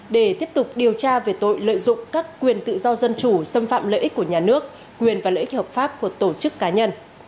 để tiếp tục điều tra về tội lợi dụng các quyền tự do dân chủ xâm phạm lợi ích của nhà nước quyền và lợi ích hợp pháp của tổ chức cá nhân